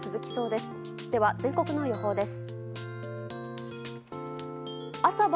では全国の予報です。